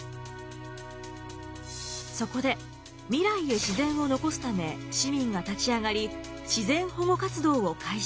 そこで未来へ自然を残すため市民が立ち上がり自然保護活動を開始。